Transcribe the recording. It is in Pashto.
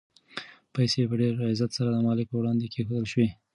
پیسې په ډېر عزت سره د مالک په وړاندې کېښودل شوې.